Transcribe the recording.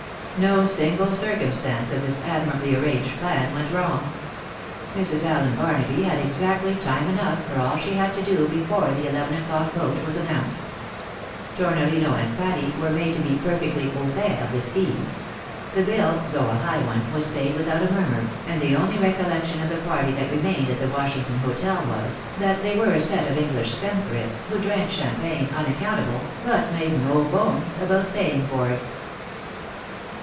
No single circumstance of this admirably arranged plan went ■wrong. Mrs. Allen Barnaby had exactly time enough for aU she had to do before the eleven o'clock boat was announced. Tornorino and Patty were made to be perfectly au fait of the scheme ; the biU, though a high one, was paid without a murmur, and the only recollection of the party that remained at the Washington hotel was, that they were a set of English spendthrifts, who drank champagne unaccountable, but made no bones about paying for it.